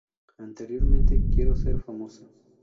Anteriormente "¡Quiero ser famosa!